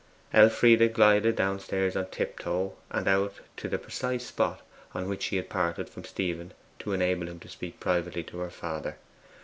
Elfride glided downstairs on tiptoe, and out to the precise spot on which she had parted from Stephen to enable him to speak privately to her father.